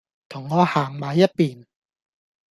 同我行埋一便